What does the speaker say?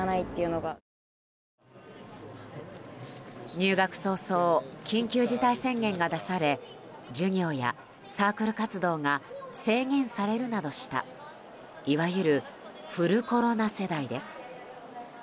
入学早々緊急事態宣言が出され授業やサークル活動が制限されるなどしたいわゆるフルコロナ世代です。